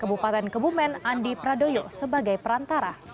kebupaten kebumen andi pradoyo sebagai perantara